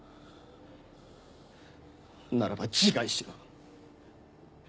ならば自害しろ。